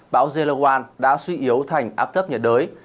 bão geloan đã suy yếu thành áp thấp nhật đới